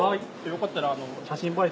よかったら。